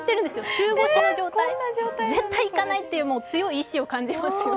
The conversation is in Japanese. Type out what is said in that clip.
中腰の状態、絶対行かないという強い意志を感じますね。